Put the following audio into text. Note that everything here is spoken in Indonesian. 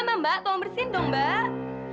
mbak mbak tolong bersihin dong mbak